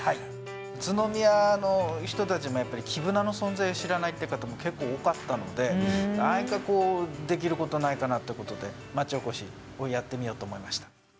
宇都宮の人たちも、やっぱり黄ぶなの存在を知らないって方も結構、多かったので何かできることないかなってことで町おこしをやってみようと思いました。